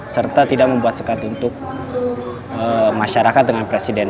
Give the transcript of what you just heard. serta tidak membuat sekat untuk masyarakat dengan presiden